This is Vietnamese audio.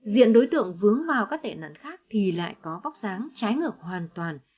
diện đối tượng vướng vào các tệ nặng khác thì lại có góc dáng trái ngược hoàn toàn